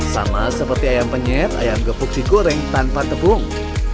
sama seperti ayam penyet ayam gepuk digoreng tanpa tepung